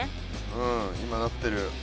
うん今なってる。